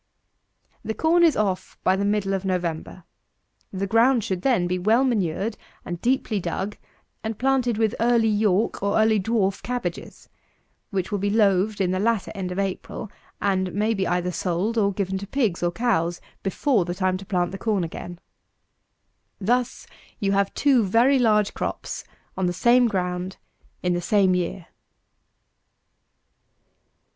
265. The corn is off by the middle of November. The ground should then be well manured, and deeply dug, and planted with EARLY YORK, or EARLY DWARF CABBAGES, which will be loaved in the latter end of April, and may be either sold or given to pigs, or cows, before the time to plant the corn again. Thus you have two very large crops on the same ground in the same year.